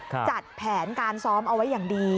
จัดแผนการซ้อมเอาไว้อย่างดี